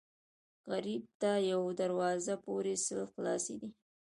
غریب ته یوه دروازه پورې سل خلاصې دي